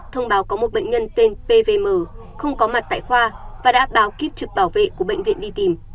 thông báo có một bệnh nhân tên pvm không có mặt tại khoa và đã báo kiếp trực bảo vệ của bệnh viện đi tìm